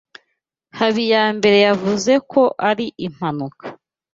Habiyambere yavuze ko ari impanuka.